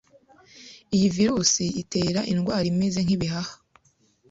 Iyi virus itera indwara imeze nk'ibihaha